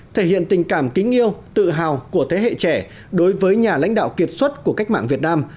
thể hiện tình cảm kính yêu tự hào của thế hệ trẻ đối với nhà lãnh đạo kiệt xuất của cách mạng việt nam